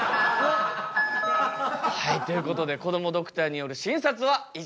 はいということでこどもドクターによる診察は以上となります。